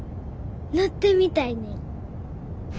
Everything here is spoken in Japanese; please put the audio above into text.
乗ってみたいねん。